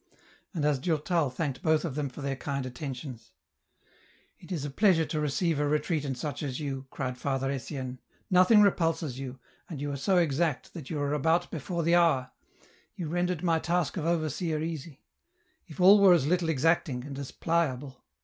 And as Durtal thanked both of them for their kind attentions, " It is a pleasure to receive aretreatant such as you," cried Father Etienne, *' nothing repulses you, and you are so exact that you are about before the hour : you rendered my task of overseer easy. If all were as little exacting and as pliable."